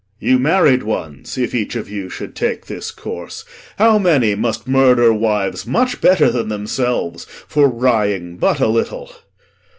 You married ones, If each of you should take this course, how many Must murder wives much better than themselves For wrying but a little!